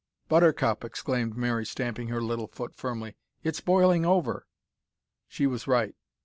"Buttercup," exclaimed Mary, stamping her little foot firmly, "it's boiling over!" She was right.